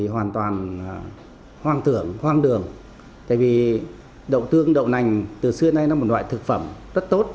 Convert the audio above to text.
hoàng tưởng hoàng đường tại vì đậu tương đậu nành từ xưa nay là một loại thực phẩm rất tốt